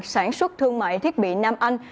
sản xuất thương mại thiết bị nam anh